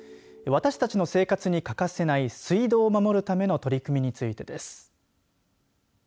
私たちの生活に欠かせない水道を守るための取り組みについてです。